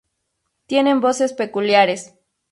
Tienen voces peculiares.